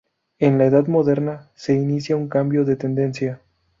En la Edad Moderna se inicia un cambio de tendencia.